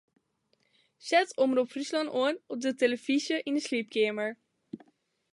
Set Omrop Fryslân oan op de tillefyzje yn 'e sliepkeamer.